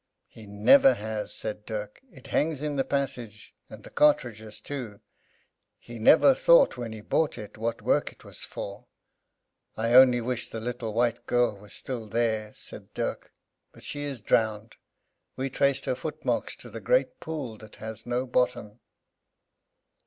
"He never has," said Dirk; "it hangs in the passage, and the cartridges too. He never thought when he bought it what work it was for! I only wish the little white girl was there still," said Dirk; "but she is drowned. We traced her footmarks to the great pool that has no bottom."